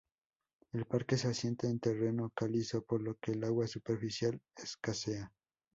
El parque se asienta en terreno calizo, por lo que el agua superficial escasea.